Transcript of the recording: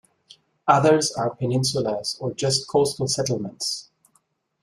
Others are peninsulas or just coastal settlements.